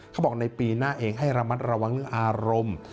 เขาบอกในปีหน้าเองให้ระมัดระวังเรื่องอารมณ์